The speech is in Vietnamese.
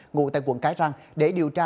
ngụ tại quận cái răng để điều tra